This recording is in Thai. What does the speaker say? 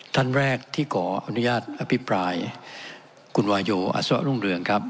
ท่านแรกที่ขออนุญาตอภิปรายคุณวาโยอัศวรุ่งเรืองครับ